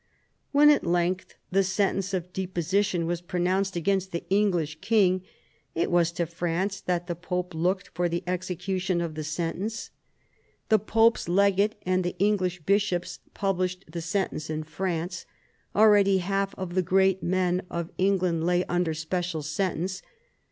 When at length the sentence of deposition was pronounced against the English king, it was to France that the pope looked for the execution of the sentence. in THE FALL OF THE ANGEVINS 83 The pope's legate and the English bishops published the sentence in France. Already half the great men of England lay under special sentence.